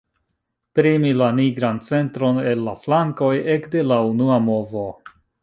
Premi la nigran centron el la flankoj ekde la unua movo.